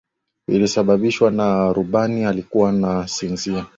ilisababishwa na rubani alikuwa ana sinzia